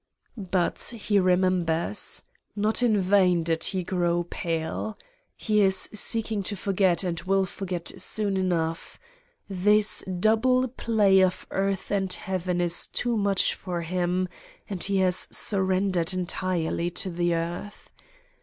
But he remembers. Not in vain did he grow pale. He is seeking to forget and will forget soon enough ! This double play of earth and heaven is too much for him and he has surrendered entirely to the earth!